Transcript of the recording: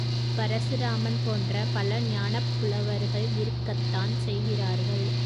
பரசுராமன் போன்ற பல ஞானப்புலவர்கள் இருக்கத்தான் செய்கிறார்கள்.